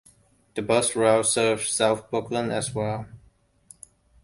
The bus routes serve South Brooklyn as well.